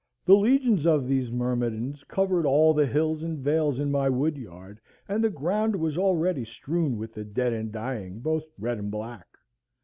The legions of these Myrmidons covered all the hills and vales in my wood yard, and the ground was already strewn with the dead and dying, both red and black.